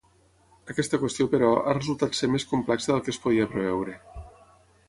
Aquesta qüestió, però, ha resultat ser més complexa del que es podia preveure.